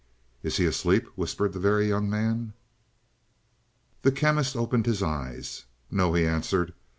"Is he asleep?" whispered the Very Young Man. The Chemist opened his eyes. "No," he answered.